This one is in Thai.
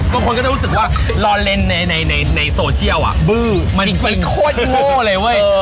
คนคนก็จะรู้สึกว่ารอเล่นในในในในโซเชียลอ่ะบื้อมันเป็นโคตรโง่เลยเว้ยเออ